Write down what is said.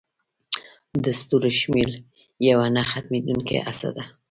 د ستورو شمیرل یوه نه ختمېدونکې هڅه ده.